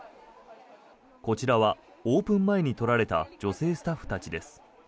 こちらはオープン前に撮られた女性スタッフたちです。